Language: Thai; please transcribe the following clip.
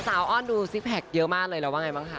อ้อนดูซิกแพคเยอะมากเลยแล้วว่าไงบ้างคะ